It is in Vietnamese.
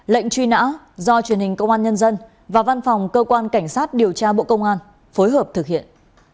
lệnh truy nã do truyền hình công an nhân dân và văn phòng cơ quan cảnh sát điều tra bộ công an phối hợp thực hiện